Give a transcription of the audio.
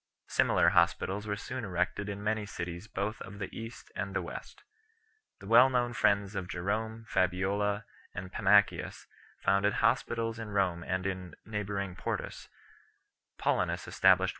Similar hospitals were soon erected in many cities both of the East and the West. The well known friends of Jerome, Fabiola and Pammachius, founded hospitals in Rome and in the neighbouring Portus 7 ; Paulinus estab CHAP.